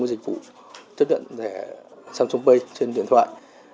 với dịch vụ chấp nhận thẻ samsung pay trên điện thoại